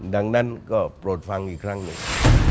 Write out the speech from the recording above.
ดังนั้นก็โปรดฟังอีกครั้งหนึ่ง